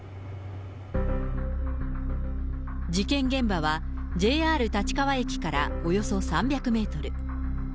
事件現場はＪＲ立川駅からおよそ３００メートル。